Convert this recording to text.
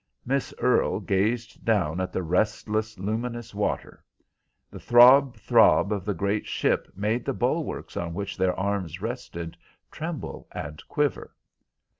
Miss Earle gazed down at the restless, luminous water. The throb, throb of the great ship made the bulwarks on which their arms rested tremble and quiver.